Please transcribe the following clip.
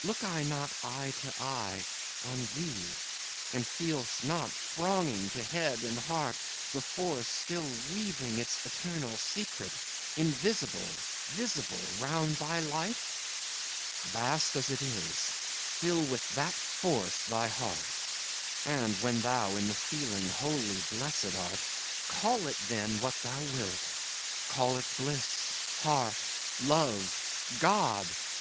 Look I not, eye to eye, on thee, And feel'st not, thronging To head and heart, the force, Still weaving its eternal secret, Invisible, visible, round thy life? Vast as it is, fill with that force thy heart, And when thou in the feeling wholly blessed art, Call it, then, what thou wilt, Call it Bliss! Heart! Love! God!